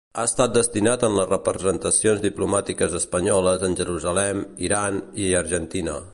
Ha estat destinat en les Representacions Diplomàtiques Espanyoles en Jerusalem, Iran i Argentina.